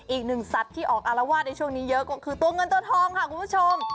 อีกหนึ่งสัตว์ที่ออกอารวาสในช่วงนี้เยอะก็คือตัวเงินตัวทองค่ะคุณผู้ชม